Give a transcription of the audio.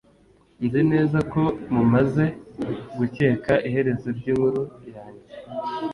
nzi neza ko mumaze gukeka iherezo ryinkuru yanjye